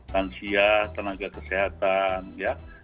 kansia tenaga kesehatan ya